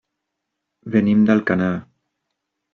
Venim d'Alcanar.